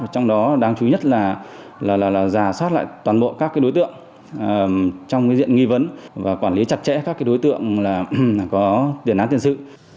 trong đó đáng chú ý nhất là giả soát lại toàn bộ các đối tượng trong diện nghi vấn và quản lý chặt chẽ các đối tượng có tiền án tiền sự